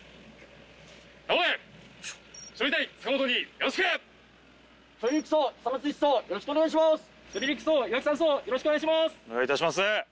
よろしくお願いします。